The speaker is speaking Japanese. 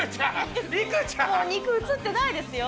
もう肉、映ってないですよ。